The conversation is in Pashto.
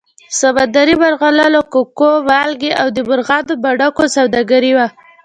سمندري مرغلرو، ککو، مالګې او د مرغانو بڼکو سوداګري وه